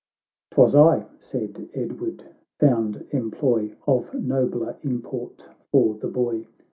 "—" 'Twas I," said Edward, " found employ Of nobler import for the boy.